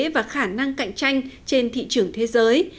và khả năng cạnh tranh trên thị trường thế giới